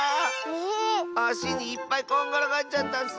あしにいっぱいこんがらがっちゃったッス！